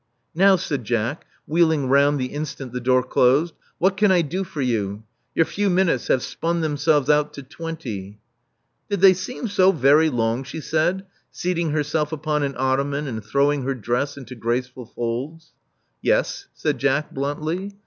Now,'* said Jack, wheeling round the instant the door closed. What can I do for you? Your few minutes have spun themselves out to twenty." Did they seem so very long?" she said, seating herself upon an ottoman and throwing her dress into graceful folds. Yes," said Jack, bluntly.